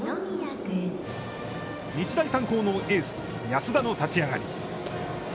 日大三高のエース安田の立ち上がり。